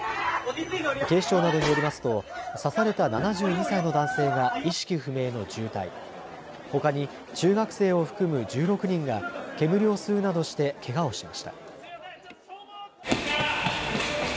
警視庁などによりますと刺された７２歳の男性が意識不明の重体、ほかに中学生を含む１６人が煙を吸うなどしてけがをしました。